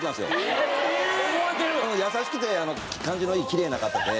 優しくて感じのいいきれいな方で。